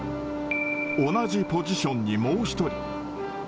同じポジションにもう１人。